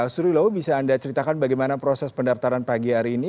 surilo bisa anda ceritakan bagaimana proses pendaftaran pagi hari ini